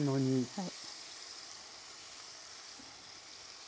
はい。